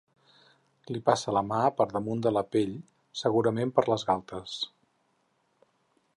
Li passa la mà per damunt de la pell, segurament per les galtes.